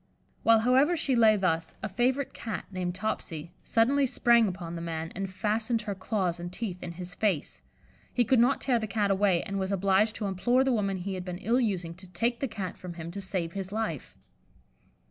While, however, she lay thus, a favourite Cat, named "Topsy," suddenly sprang upon the man, and fastened her claws and teeth in his face. He could not tear the Cat away, and was obliged to implore the woman he had been ill using to take the Cat from him to save his life.